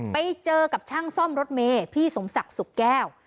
ไปเจอกับช่างซ่อมรถเมย์พี่สมศักดิ์สุขแก้ว